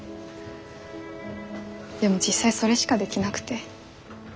でも実際それしかできなくて。